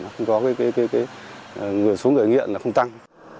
không có người xuống người nghiện không tăng